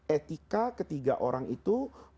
etika ketiga orang itu